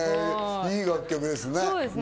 いい楽曲ですね。